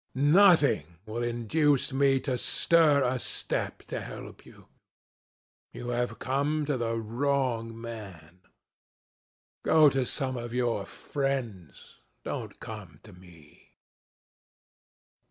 Nothing will induce me to stir a step to help you. You have come to the wrong man. Go to some of your friends. Don't come to me."